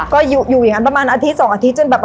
ก็อยู่อย่างนั้นประมาณอาทิตย๒อาทิตยจนแบบ